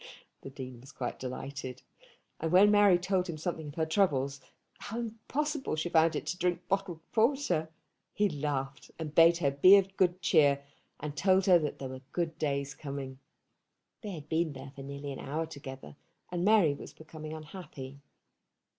The Dean was quite delighted; and when Mary told him something of her troubles, how impossible she found it to drink bottled porter, he laughed, and bade her be of good cheer, and told her that there were good days coming. They had been there for nearly an hour together, and Mary was becoming unhappy.